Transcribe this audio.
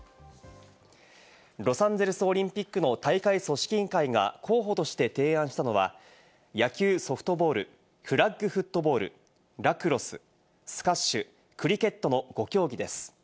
ロサンゼルスオリンピックの大会組織委員会が候補として提案したのは、野球・ソフトボール、フラッグフットボール、ラクロス、スカッシュ、クリケットの５競技です。